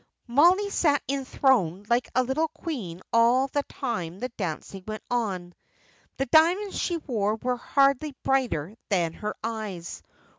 Mollie sat enthroned like a little queen all the time the dancing went on. The diamonds she wore were hardly brighter than her eyes.